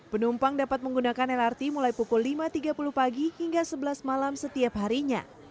penumpang dapat menggunakan lrt mulai pukul lima tiga puluh pagi hingga sebelas malam setiap harinya